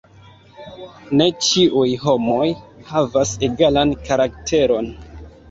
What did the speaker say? Ne ĉiuj homoj havas egalan karakteron!